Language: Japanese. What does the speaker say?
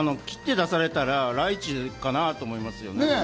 切って出されたらライチかなと思いますよね。